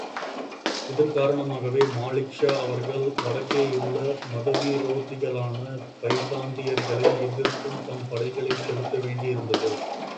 இதன் காரணமாகவே, மாலிக்ஷா அவர்கள் வடக்கேயுள்ள மதவிரோத்திகளான பைசாந்தியர்களை எதிர்த்தும் தம் படைகளைச் செலுத்த வேண்டியிருந்தது.